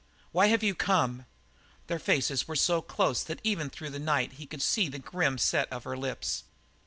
"Why have you come?" Their faces were so close that even through the night he could see the grim set of her lips.